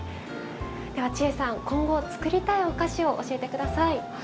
では千恵さん今後作りたいお菓子を教えて下さい。